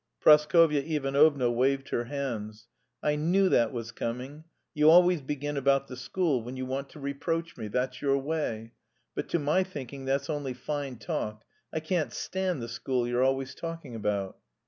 Praskovya Ivanovna waved her hands. "I knew that was coming! You always begin about the school when you want to reproach me that's your way. But to my thinking that's only fine talk. I can't stand the school you're always talking about."